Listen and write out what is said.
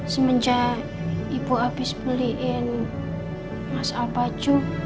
semenjak ibu abis beliin masal baju